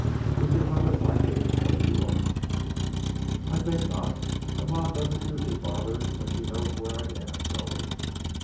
"Is your mother likely to call you up?" "I think not. Mama doesn't usually bother when she knows where I am going.